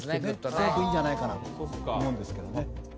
すごくいいんじゃないかなと思うんですけどね。